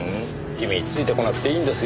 君ついてこなくていいんですよ。